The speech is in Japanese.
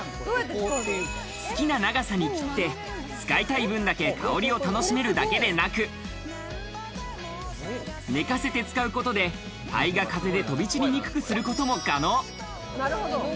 好きな長さに切って、使いたい分だけ香りを楽しめるだけでなく、寝かせて使うことで、灰が風で飛び散りにくくすることも可能。